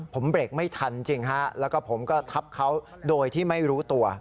ผมเบรกไม่ทันจริงฮะแล้วก็ผมก็ทับเขาโดยที่ไม่รู้ตัว